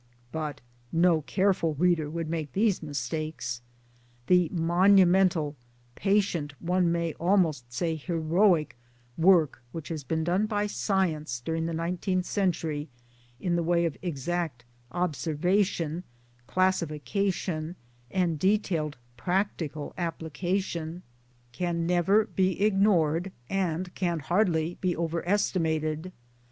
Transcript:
But no careful reader would make these mistakes. The monumental, patient, one may almost say heroic, work which has been done by Science during the nine teenth century, in the way of exact observation, classification, and detailed practical application, can 142 MY DAYS AND DREAMS never be ignored and can hardly be over estimated.